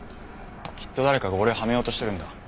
きっと誰かが俺をはめようとしてるんだ。